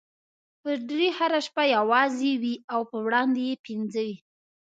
پادري هره شپه یوازې وي او په وړاندې یې پنځه وي.